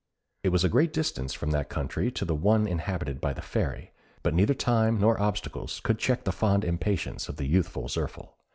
It was a great distance from that country to the one inhabited by the Fairy; but neither time nor obstacles could check the fond impatience of the youthful Zirphil.